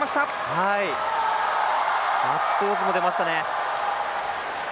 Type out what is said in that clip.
ガッツポーズも出ましたね。